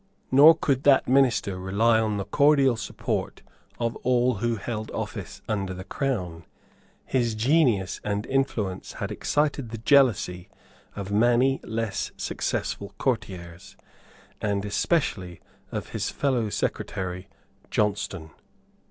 Nor could that minister rely on the cordial support of all who held office under the Crown. His genius and influence had excited the jealousy of many less successful courtiers, and especially of his fellow secretary, Johnstone.